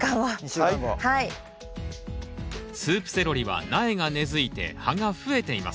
スープセロリは苗が根づいて葉が増えています。